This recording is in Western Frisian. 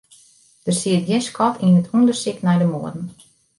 Der siet gjin skot yn it ûndersyk nei de moarden.